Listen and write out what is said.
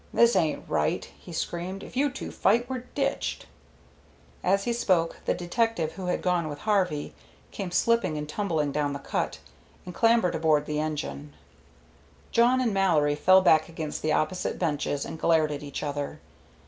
"This ain't right!" he screamed. "If you two fight, we're ditched." As he spoke, the detective who had gone with Harvey came slipping and tumbling down the cut, and clambered aboard the engine. Jawn and Mallory fell back against the opposite benches and glared at each other.